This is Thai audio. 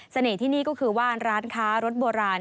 ที่นี่ก็คือว่าร้านค้ารถโบราณ